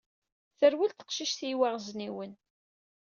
Terwel teqcict i yiwaɣezniwen.